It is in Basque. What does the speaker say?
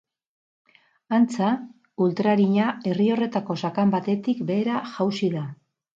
Antza, ultrarina herri horretako sakan batetik behera jausi da.